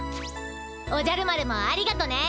おじゃる丸もありがとね。